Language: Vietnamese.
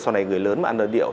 sau này người lớn mà ăn đơn điệu